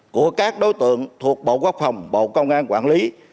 của các đối tượng thuộc bộ quốc phòng bộ công an quản lý